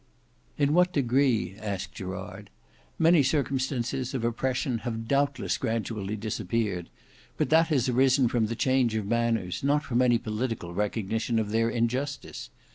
"In what degree?" asked Gerard. "Many circumstances of oppression have doubtless gradually disappeared: but that has arisen from the change of manners, not from any political recognition of their injustice.